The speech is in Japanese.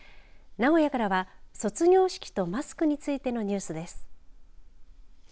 名古屋からは卒業式とマスクについてのニュースです。